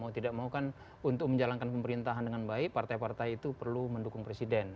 mau tidak mau kan untuk menjalankan pemerintahan dengan baik partai partai itu perlu mendukung presiden